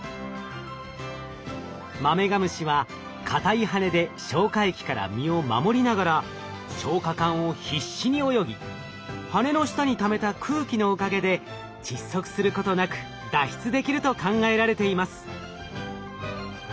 マメガムシは硬い羽で消化液から身を守りながら消化管を必死に泳ぎ羽の下にためた空気のおかげで窒息することなく脱出できると考えられています。